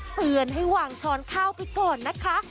เตือนให้วางช้อนข้าวไปก่อนนะคะ